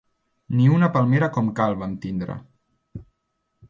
Ni una palmera com cal vam tindre.